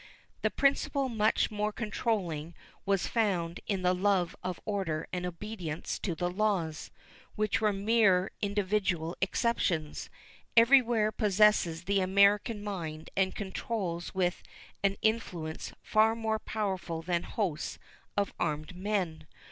A principle much more controlling was found in the love of order and obedience to the laws, which, with mere individual exceptions, everywhere possesses the American mind, and controls with an influence far more powerful than hosts of armed men.